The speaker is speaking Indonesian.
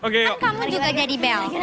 kan kamu juga jadi bel